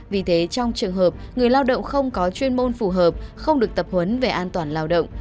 vì thế trong trường hợp người lao động không có chuyên môn phù hợp không được tập huấn về an toàn lao động